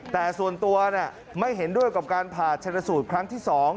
แต่ส่วนตัวไม่เห็นด้วยกับการผ่าชนสูตรครั้งที่๒